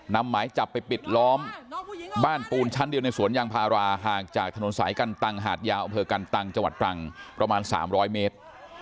หมายจับไปปิดล้อมบ้านปูนชั้นเดียวในสวนยางพาราห่างจากถนนสายกันตังหาดยาวอำเภอกันตังจังหวัดตรังประมาณ๓๐๐เมตร